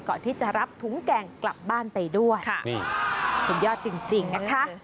ก่อนที่จะรับถุงแกงกลับบ้านไปด้วยค่ะนี่สุดยอดจริงนะคะ